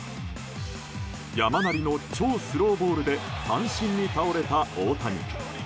山なりの超スローボールで三振に倒れた大谷。